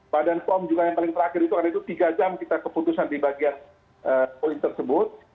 badan pom juga yang paling terakhir itu karena itu tiga jam kita keputusan di bagian poin tersebut